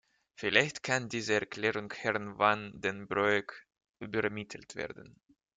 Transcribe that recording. Vielleicht kann diese Erklärung Herrn Van den Broek übermittelt werden.